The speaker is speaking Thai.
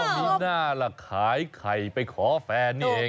อ๋อนี่น่ารักขายไข่ไปขอแฟนเนี่ยเอง